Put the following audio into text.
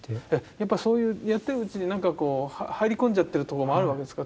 やっぱそういうやってるうちに何かこう入り込んじゃってるとこもあるわけですか。